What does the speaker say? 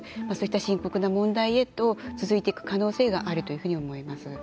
そういった深刻な問題へと続いていく可能性があると思います。